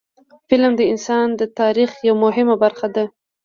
فلم د انسان د تاریخ یوه مهمه برخه ده